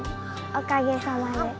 おかげさまで。